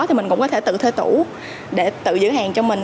thì mình cũng có thể tự thuê tủ để tự giữ hàng cho mình